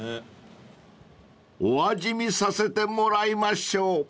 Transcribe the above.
［お味見させてもらいましょう］